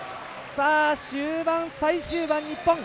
終盤、最終盤、日本。